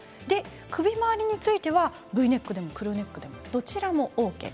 首回りについてはＶネックでもクルーネックでもどちらもＯＫです。